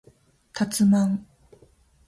たつまん